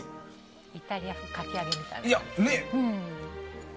イタリアン風かき揚げみたいな。